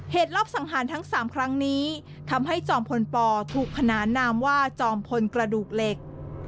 รอบสังหารทั้ง๓ครั้งนี้ทำให้จอมพลปถูกขนานนามว่าจอมพลกระดูกเหล็ก